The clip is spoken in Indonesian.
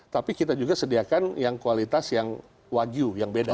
tapi kita juga sediakan yang kualitas yang wagyu yang beda